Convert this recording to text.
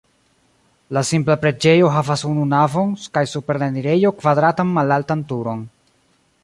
La simpla preĝejo havas unu navon kaj super la enirejo kvadratan malaltan turon.